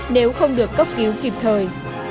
nếu không được cấp cứu kịp thời